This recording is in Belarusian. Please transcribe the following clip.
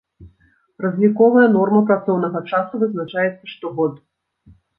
Разліковая норма працоўнага часу вызначаецца штогод.